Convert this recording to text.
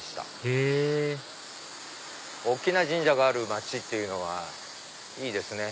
へぇ大きな神社がある町っていうのはいいですね。